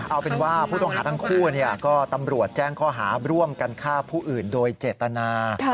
เอาเป็นว่าผู้ต้องหาทั้งคู่ก็ตำรวจแจ้งข้อหาร่วมกันฆ่าผู้อื่นโดยเจตนา